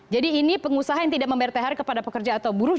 jadi ini pengusaha yang tidak membayar thr kepada pekerja atau buruh